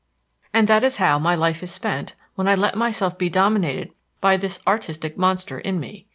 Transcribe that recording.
And that is how my life is spent when I let myself be dominated by this artistic monster in me.